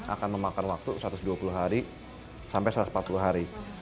akan memakan waktu satu ratus dua puluh hari sampai satu ratus empat puluh hari